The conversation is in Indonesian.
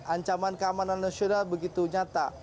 ancaman keamanan nasional begitu nyata